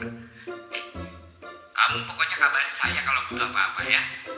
kamu pokoknya kabarin saya kalau butuh apa apa ya